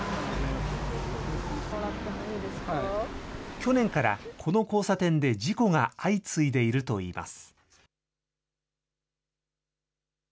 去年からこの交差点で事故が相次いでいるといいます。